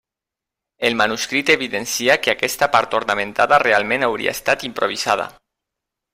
El manuscrit evidencia que aquesta part ornamentada realment hauria estat improvisada.